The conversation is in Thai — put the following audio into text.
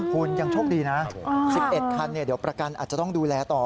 คุณยังโชคดีนะ๑๑คันเดี๋ยวประกันอาจจะต้องดูแลต่อ